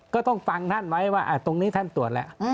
ก็ต้องฟังท่านไว้ว่าตรงนี้ท่านตรวจแล้ว